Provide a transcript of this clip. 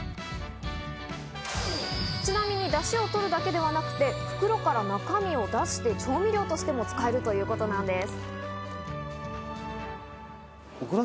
ちなみに、だしを取るだけではなくて袋から中身を出して、調味料としても使えるということなんです。